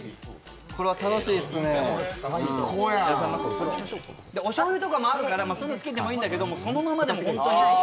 最高や。おしょうゆとかもあるからそういうのつけてもいいんだけどそのままでも本当に。